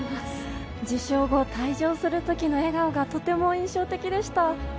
受賞後、退場するときの笑顔がとても印象的でした。